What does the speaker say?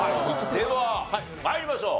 では参りましょう。